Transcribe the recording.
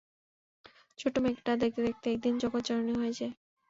ছোট্ট মেয়েটা দেখতে দেখতে একদিন জগৎ জননী হয়ে যায়।